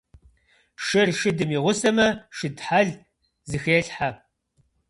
Шыр шыдым игъусэмэ, шыд хьэл зыхелъхьэ.